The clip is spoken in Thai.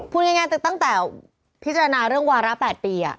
พูดง่ายตั้งแต่พิจารณาเรื่องวาระ๘ปี